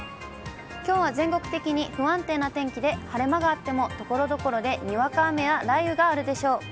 きょうは全国的に不安定な天気で、晴れ間があっても、ところどころでにわか雨や雷雨があるでしょう。